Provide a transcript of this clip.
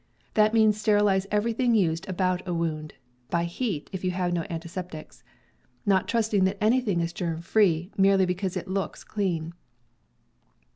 That means sterilize everything used about a wound (by heat, if you have no antiseptics), not trusting that any thing is germ free merely because it looks clean.